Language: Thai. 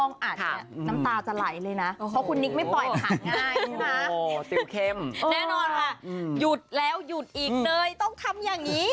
แน่นอนค่ะหยุดแล้วหยุดอีกเลยต้องทำอย่างนี้